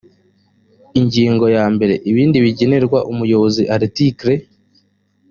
ingingo ya mbere ibindi bigenerwa umuyobozi article